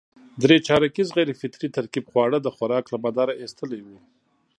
درې چارکیز غیر فطري ترکیب خواړه د خوراک له مداره اېستلي وو.